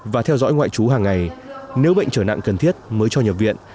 và theo dõi ngoại trú hàng ngày nếu bệnh trở nặng cần thiết mới cho nhập viện